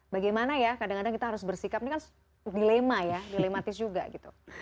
bagaimana ya kadang kadang kita harus bersikap ini kan dilema ya dilematis juga gitu